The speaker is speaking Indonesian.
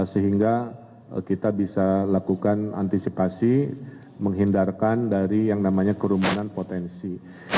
sehingga kita bisa lakukan antisipasi menghindarkan dari yang namanya kerumunan potensi